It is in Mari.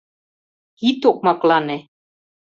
— Ит окмаклане!..